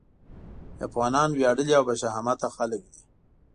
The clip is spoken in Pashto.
افغانان وياړلي او باشهامته خلک دي.